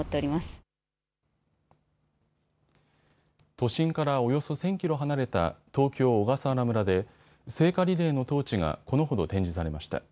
都心からおよそ１０００キロ離れた東京小笠原村で聖火リレーのトーチがこのほど展示されました。